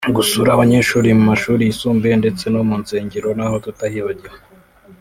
gusura abanyeshuri mu mashuri yisumbuye ndetse no mu nsengero naho tutahibagiwe